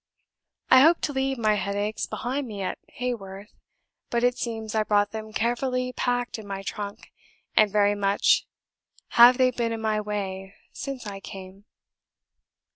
I hoped to leave my headaches behind me at Haworth; but it seems I brought them carefully packed in my trunk, and very much have they been in my way since I came.